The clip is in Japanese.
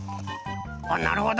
おっなるほど。